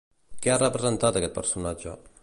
Què ha representat aquest personatge?